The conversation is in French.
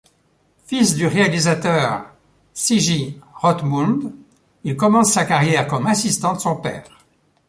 Fils du réalisateur Sigi Rothemund, il commence sa carrière comme assistant de son père.